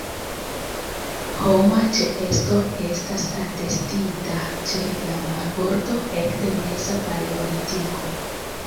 Homa ĉeesto estas atestita ĉe la marbordo ekde meza paleolitiko.